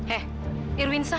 eh irwin sah